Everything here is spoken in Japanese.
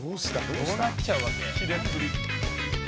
どうなっちゃうわけ？